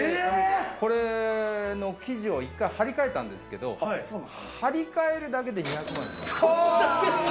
これの生地を１回張り替えたんですけど、張り替えるだけで２００万。